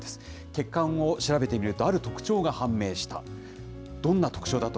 血管を調べてみると、ある特徴が判明した。